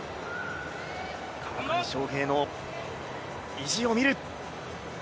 川上翔平の意地を見る。